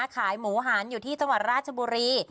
ขายหมูหารอยู่ที่จังหวัดราชบุรี